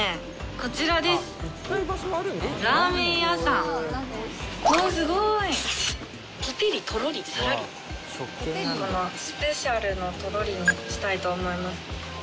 このスペシャルのとろりにしたいと思います。